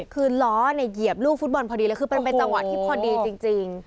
คือล้อเหยียบลูกฟุตบอลพอดีเลยคือมันเป็นจังหวะที่พอดีจริง